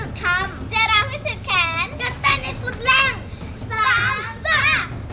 จะเต้นให้สุดแร่ง